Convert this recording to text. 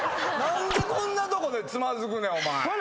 何でこんなとこでつまずくねん！